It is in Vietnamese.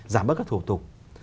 giảm bớt các thủ tục